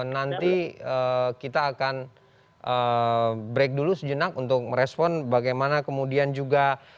nanti kita akan break dulu sejenak untuk merespon bagaimana kemudian juga